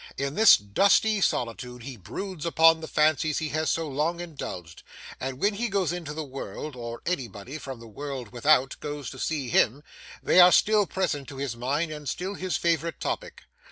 In this dusty solitude he broods upon the fancies he has so long indulged, and when he goes into the world, or anybody from the world without goes to see him, they are still present to his mind and still his favourite topic.